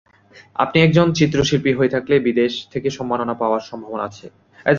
আপনি একজন চিত্রশিল্পী হয়ে থাকলে বিদেশ থেকে সম্মাননা পাওয়ার সম্ভাবনা আছে।